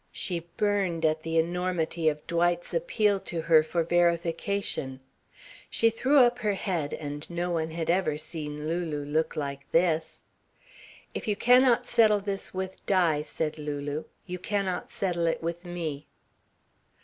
She burned at the enormity of Dwight's appeal to her for verification. She threw up her head and no one had ever seen Lulu look like this. "If you cannot settle this with Di," said Lulu, "you cannot settle it with me."